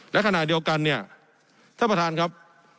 และขณะเดียวกันเนี่ยท่านประธานครับ